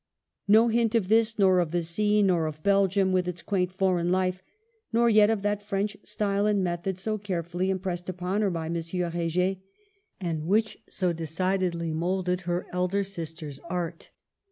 No hint of this, nor of the sea, nor of Belgium, with its quaint foreign life ; nor yet of that French style and method so carefully impressed upon her by Monsieur Heger, and which so decidedly moulded her elder sister's art.